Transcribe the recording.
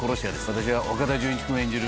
私は岡田准一君演じる